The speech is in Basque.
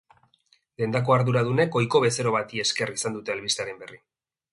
Dendako arduradunek ohiko bezero bati esker izan dute albistearen berri.